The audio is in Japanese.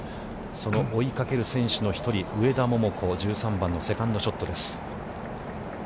その追いかける選手の１人、上田桃子、１３番のセカンドショットです。